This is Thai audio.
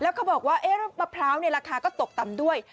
แล้วเขาบอกว่าเอ๊ะรถมะพร้าวราคาก็ตกต่ำด้วย